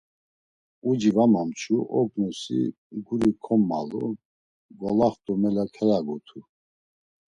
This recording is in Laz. Uci va momçu ognusi guri kommalu, golaxt̆u mele kelagutu.